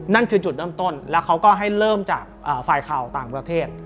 นั่นคือจุดเริ่มต้นแล้วเขาก็ให้เริ่มจากฝ่ายข่าวต่างประเทศ